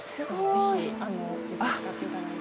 ぜひスリッパ使っていただいて。